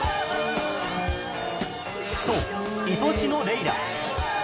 そう『いとしのレイラ』